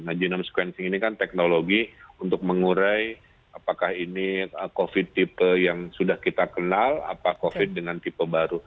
nah genome sequencing ini kan teknologi untuk mengurai apakah ini covid tipe yang sudah kita kenal apa covid dengan tipe baru